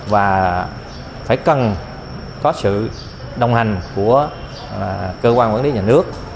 và phải cần có sự đồng hành của cơ quan quản lý nhà nước